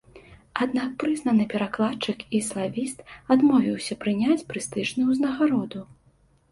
Аднак прызнаны перакладчык і славіст адмовіўся прыняць прэстыжную ўзнагароду.